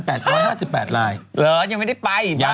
เหรอยังไม่ได้ไปอีกบ้าง